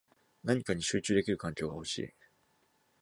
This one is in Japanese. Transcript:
何かに集中できる環境が欲しい